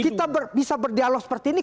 kita bisa berdialog seperti ini